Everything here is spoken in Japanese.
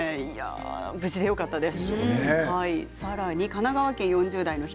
無事でよかったです。